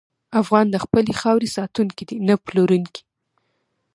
افغان د خپلې خاورې ساتونکی دی، نه پلورونکی.